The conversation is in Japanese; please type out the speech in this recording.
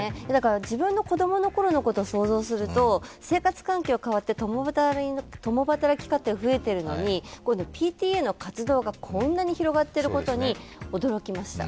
自分の子供のころを想像すると、生活環境変わって共働き家庭が増えているのにＰＴＡの活動がこんなに広がっていることに驚きました。